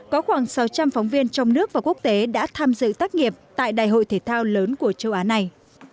có khoảng sáu trăm linh phóng viên trong nước và quốc tế đã tham dự tác nghiệp tại đại hội thể thao lớn của châu á này